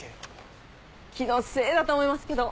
気のせいだと思いますけど。